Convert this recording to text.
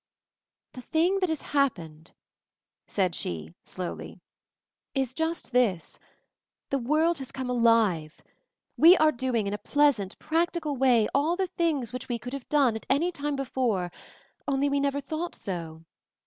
"The thing that has happened," said she, slowly, "is just this. The world has come alive. We are doing in a pleasant, practical way, all the things which we could have done, at any time before — only we never thought so.